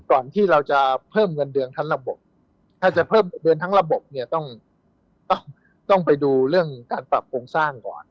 ก่อนที่เราจะเพิ่มเงินเดือนทั้งระบบถ้าจะเพิ่มเดือนทั้งระบบเนี่ยต้องไปดูเรื่องการปรับโครงสร้างก่อน